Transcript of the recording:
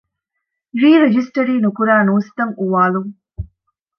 ރީ ރަޖިސްޓަރީ ނުކުރާ ނޫސްތައް އުވާލުން